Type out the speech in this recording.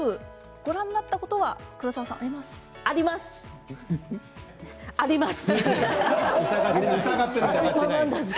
ご覧になったことは黒沢さんありますか？